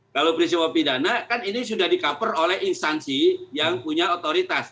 kalau peristiwa pidana kan ini sudah di cover oleh instansi yang punya otoritas